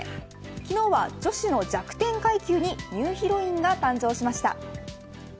昨日は女子の弱点階級にニューヒロインが誕生しました。